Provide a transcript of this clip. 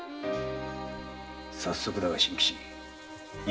早速だが真吉え